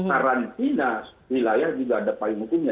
karantina wilayah juga ada payung hukumnya